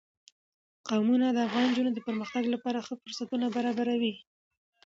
قومونه د افغان نجونو د پرمختګ لپاره ښه فرصتونه برابروي.